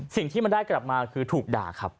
สิ่งที่มันได้กลับมาคือถูกด่าครับ